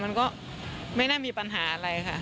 มันก็ไม่น่ามีปัญหาอะไรค่ะ